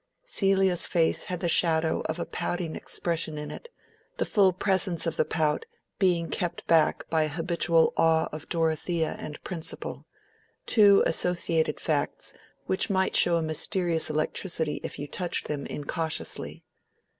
Celia's face had the shadow of a pouting expression in it, the full presence of the pout being kept back by an habitual awe of Dorothea and principle; two associated facts which might show a mysterious electricity if you touched them incautiously.